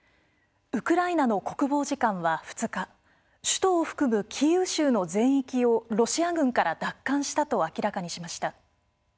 ウクライナの国防次官は２日首都を含むキーウ州の全域をロシア軍から奪還したと明らかにしました。